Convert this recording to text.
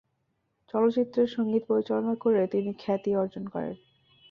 চলচ্চিত্রের সঙ্গীত পরিচালনা করে তিনি খ্যাতি অর্জন করেন।